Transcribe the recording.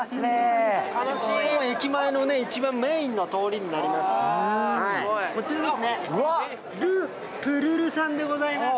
駅前の一番メインの通りになります。